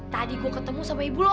tadi gue ketemu sama ibu lo